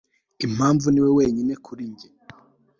impamvu niwe wenyine kuri njye, jolene, jolene